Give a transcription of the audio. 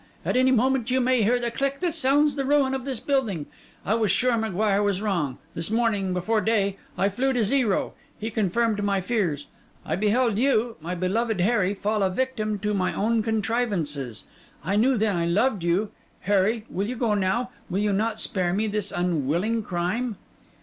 At any moment you may hear the click that sounds the ruin of this building. I was sure M'Guire was wrong; this morning, before day, I flew to Zero; he confirmed my fears; I beheld you, my beloved Harry, fall a victim to my own contrivances. I knew then I loved you—Harry, will you go now? Will you not spare me this unwilling crime?